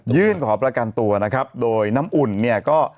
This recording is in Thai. ขอประกันตัวนะครับโดยน้ำอุ่นเนี่ยก็